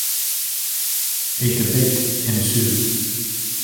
A debate ensued.